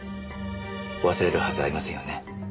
忘れるはずありませんよね？